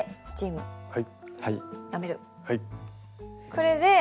これで。